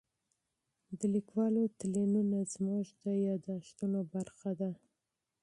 د لیکوالو تلینونه زموږ د یادښتونو برخه ده.